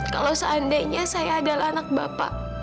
kalau seandainya saya adalah anak bapak